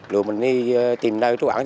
rồi mình đi tìm nơi trú ẩn